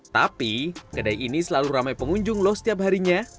tapi kedai ini selalu ramai pengunjung loh setiap harinya